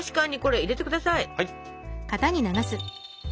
はい。